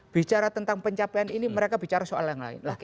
bicara tentang pencapaian ini mereka bicara soal yang lain